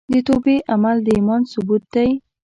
د توبې عمل د ایمان ثبوت دی.